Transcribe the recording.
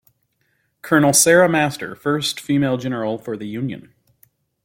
Colonel Sarah Master - First female general for the union.